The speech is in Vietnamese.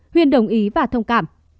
huyên đồng ý và thông cảm